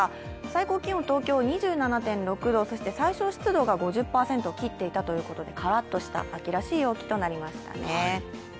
最高気温、東京２７．６度、そして最小湿度が５０％を切ったということで、秋らしい陽気となりましたね。